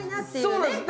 そうなんです。